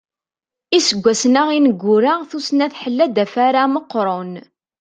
Iseggasen-a ineggura tussna tḥella-d afara meqqren.